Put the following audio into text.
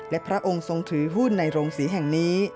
และพระองค์ทรงถือหุ้นในโรงศรีแห่งนี้